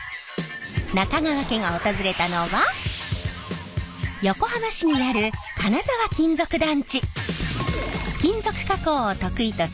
中川家が訪れたのは横浜市にある金沢金属団地。